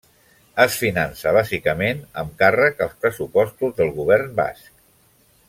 Es finança bàsicament amb càrrec als pressupostos del Govern Basc.